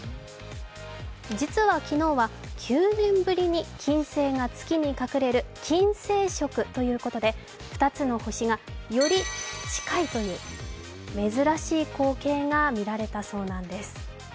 実は昨日は９年ぶりに金星が月に隠れる金星食ということで、２つの星がより近いという珍しい光景が見られたそうなんです。